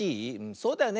そうだよね。